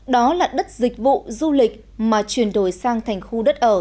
đó là đất dịch vụ du lịch mà chuyển đổi sang thành khu đất ở